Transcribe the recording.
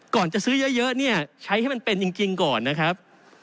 ก่อนจะซื้อเยอะเนี่ยใช้ให้มันเป็นจริงก่อนนะครับ